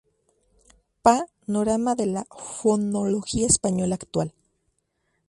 Pa"norama de la fonología española actual".